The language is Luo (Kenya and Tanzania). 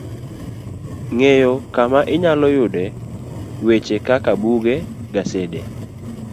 ng'eyo kama inyalo yudoe weche kaka buge, gasede